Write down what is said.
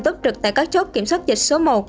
túc trực tại các chốt kiểm soát dịch số một